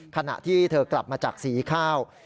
ขณะที่เธอกลับมาจากสีข้าว